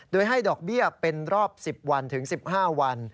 โดยให้ดอกเบี้ยเป็นรอบ๑๐วันถึง๑๕วัน